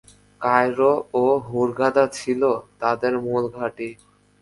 Cairo ও Hurghada ছিল তাদের মূল ঘাঁটি।